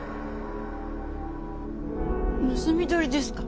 盗み撮りですか。